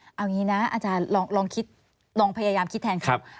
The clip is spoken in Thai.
เอาอย่างนี้นะอาจารย์ลองพยายามคิดแทนครับ